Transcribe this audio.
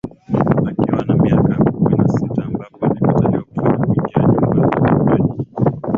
akiwa na miaka kumi na sita ambapo alikataliwa kufanya kuingia nyumba ya vipaji